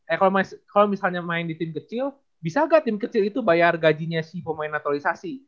eh kalo misalnya main di tim kecil bisa ga tim kecil itu bayar gajinya si pemain naturalisasi